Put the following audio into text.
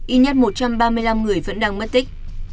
ít nhất một trăm ba mươi năm người vẫn đang mất tích